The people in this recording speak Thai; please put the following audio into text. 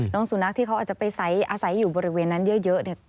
สุนัขที่เขาอาจจะไปอาศัยอยู่บริเวณนั้นเยอะเนี่ย